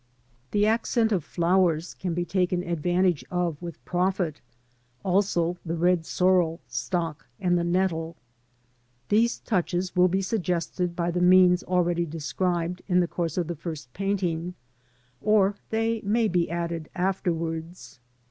The accent of flowers can be taken advantage of with profit, also the red sorrel stalk and the nettle. These touches will be suggested by the means already described in the course of the first painting, or they may be added afterwards.